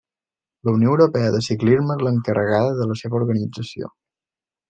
La Unió Europea de Ciclisme és l'encarregada de la seva organització.